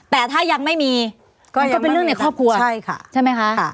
แต่ถ้ายังไม่มีมันก็เป็นเรื่องในครอบครัวใช่ไหมคะ